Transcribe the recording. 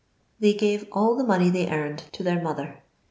They gave all the money they earned to their mother.